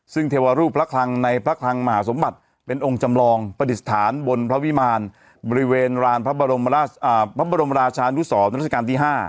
ซึ่งเทวรูปพระคลังในพระคลังมหาสมบัติเป็นองค์จำลองประดิษฐานบนพระวิมารบริเวณรานพระบรมราชานุสรราชการที่๕